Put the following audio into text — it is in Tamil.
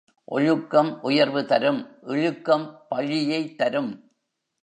ஒழுக்கம் உயர்வு தரும் இழுக்கம் பழியைத் தரும்.